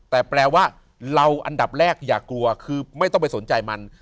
แต่แปลว่าเราอันดับแรกอย่ากลัวคือไม่ต้องไปสนใจมัน